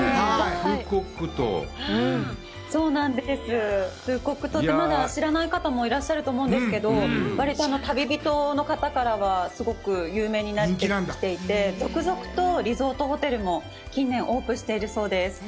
フーコック島ってまだ知らない方もいらっしゃると思うんですけどやっぱり旅人の方からはすごく有名になってきていて、続々とリゾートホテルも近年オープンしているそうです。